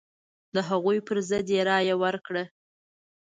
د هغوی پر ضد یې رايه ورکړه.